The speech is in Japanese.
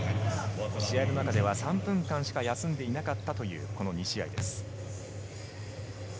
試合の中では３分間しか休んでいなかったという、この２試合です。